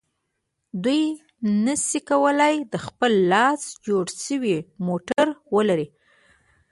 دوی نشي کولای د خپل لاس جوړ شوی موټر ولري.